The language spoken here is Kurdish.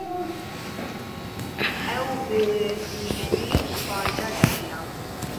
Ew bi nihênî li bajêr dijiyan.